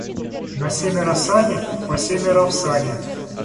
На семеро сани, по семеро в сани.